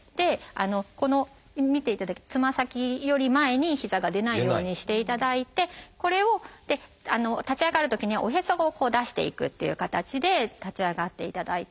このつま先より前に膝が出ないようにしていただいてこれを立ち上がるときにはおへそを出していくっていう形で立ち上がっていただいて。